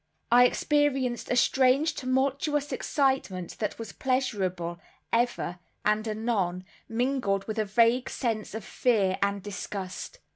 I experienced a strange tumultuous excitement that was pleasurable, ever and anon, mingled with a vague sense of fear and disgust.